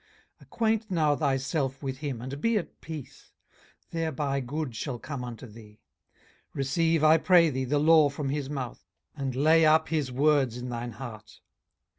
18:022:021 Acquaint now thyself with him, and be at peace: thereby good shall come unto thee. 18:022:022 Receive, I pray thee, the law from his mouth, and lay up his words in thine heart.